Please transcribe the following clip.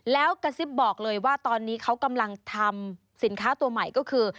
แล้วกระซิบบอกเลยว่าตอนนี้เขากำลังทำสินค้าตัวใหม่ก็คือ